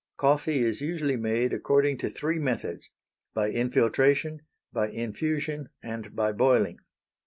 _ Coffee is usually made according to three methods; by infiltration, by infusion, and by boiling.